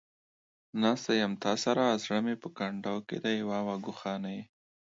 ناسته يمه ستا سره ، زړه مې په کندو کې دى ، واوا گوخانې.